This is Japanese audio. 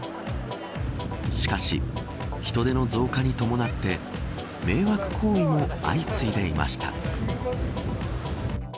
しかし人出の増加に伴って迷惑行為も相次いでいました。